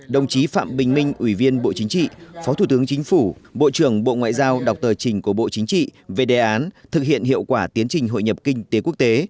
đồng chí phạm bình minh ủy viên bộ chính trị phó thủ tướng chính phủ bộ trưởng bộ ngoại giao đọc tờ trình của bộ chính trị về đề án thực hiện hiệu quả tiến trình hội nhập kinh tế quốc tế